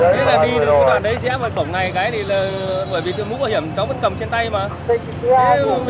cái này là bởi vì tựa mũ bảo hiểm cháu vẫn cầm trên tay mà